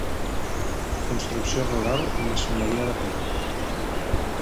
Construcció rural amb maçoneria de pedra.